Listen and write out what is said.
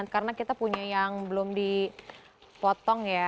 karena kita punya yang belum dipotong ya